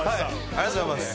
ありがとうございます。